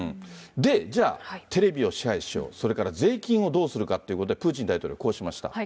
で、じゃあ、テレビを支配しよう、それから税金をどうするかってことで、プーチン大統領、こうしました。